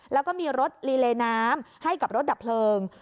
แล้วก็มีรถลีเลน้ำให้กับรถดับเพลิง